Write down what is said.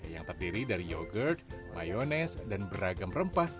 yang terdiri dari yogurt mayonese dan beragam rempah